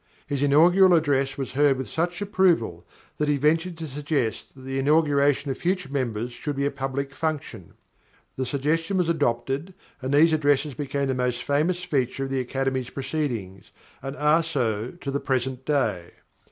His inaugural address was heard with such approval that he ventured to suggest that the inauguration of future members should be a public function. The suggestion was adopted, and these addresses became the most famous feature of the Academy's proceedings and are so to the present day.